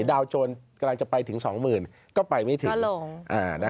ดาวโจรกำลังจะไปถึง๒๐๐๐ก็ไปไม่ถึง